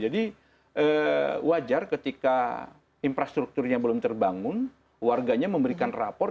jadi wajar ketika infrastrukturnya belum terbangun warganya memberikan rapor